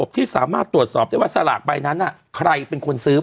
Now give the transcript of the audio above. เป็นการกระตุ้นการไหลเวียนของเลือด